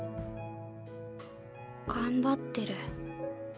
頑張ってる。